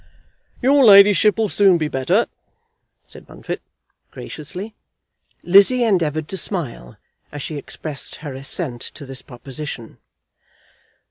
"Your ladyship'll soon be better," said Bunfit graciously. Lizzie endeavoured to smile as she expressed her assent to this proposition.